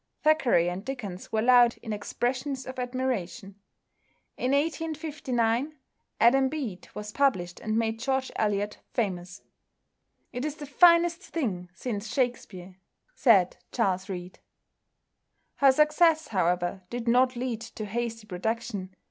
Thackeray and Dickens were loud in expressions of admiration. In 1859 "Adam Bede" was published and made George Eliot famous. "It is the finest thing since Shakspere," said Charles Reade. Her success, however, did not lead to hasty production.